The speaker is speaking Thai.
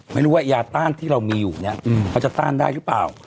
ไม่รู้ว่ายาต้านที่เรามีอยู่เนี่ยเขาจะต้านได้หรือเปล่า